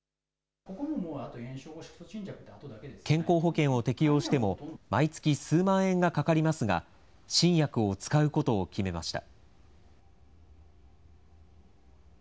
健康保険を適用しても、毎月数万円がかかりますが、新薬を使うことを決めました。